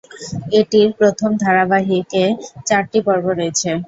এটির প্রথম ধারাবাহিকে চারটি পর্ব রয়েছে।